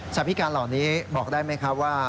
พิการเหล่านี้บอกได้ไหมครับว่า